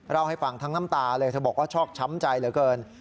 เล่าให้ฟังทั้งน้ำตาเลยเธอบอกว่าชอบช้ำใจเหลือเกิน